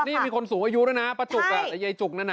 นี่มีคนสูงอายุแล้วนะป้าจุกไอ้ไยจุกนั่น